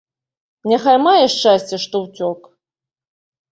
Няхай мае шчасце, што ўцёк.